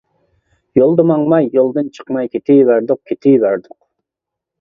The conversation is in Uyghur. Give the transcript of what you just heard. يولدا ماڭماي، يولدىن چىقماي كېتىۋەردۇق، كېتىۋەردۇق.